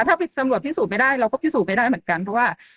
ถ้าตำรวจพิสูจน์ไม่ได้เราก็พิสูจนไม่ได้เหมือนกันเพราะว่า